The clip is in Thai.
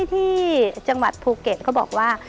ที่จังหวัดภูเก็ตเขาบอกว่า